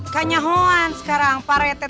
kanya hoan sekarang pak rete